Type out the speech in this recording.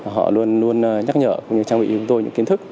họ luôn luôn nhắc nhở trang bị cho chúng tôi những kiến thức